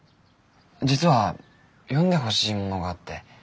実は読んでほしいものがあって。